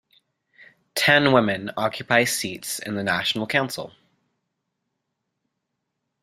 Ten women occupy seats in the National Council.